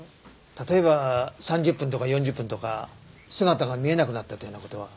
例えば３０分とか４０分とか姿が見えなくなったというような事は？